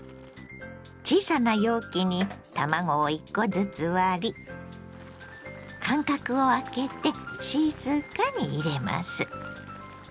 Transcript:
小さな容器に卵を１コずつ割り間隔をあけて静かに入れます。